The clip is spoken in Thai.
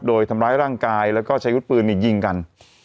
โดยทำร้ายร่างกายแล้วก็ใช้วุฒิปืนยิงกัน